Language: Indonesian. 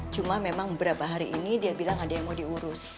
cuma memang beberapa hari ini dia bilang ada yang mau diurus